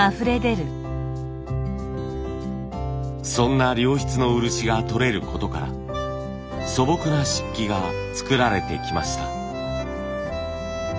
そんな良質の漆がとれることから素朴な漆器が作られてきました。